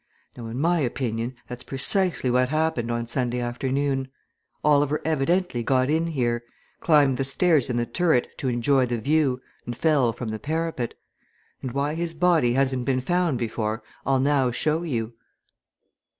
Now in my opinion that's precisely what happened on Sunday afternoon. Oliver evidently got in here, climbed the stairs in the turret to enjoy the view and fell from the parapet. And why his body hasn't been found before I'll now show you."